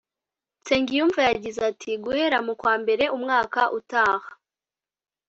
Nsengiyumva yagize ati ”Guhera mu kwa mbere umwaka utaha